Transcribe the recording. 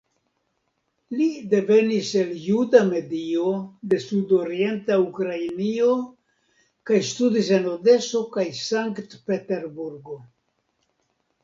Li devenis el juda medio de Sudorienta Ukrainio kaj studis en Odeso kaj Sankt-Peterburgo.